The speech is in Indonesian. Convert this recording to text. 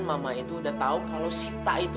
mama itu udah tahu kalau sita itu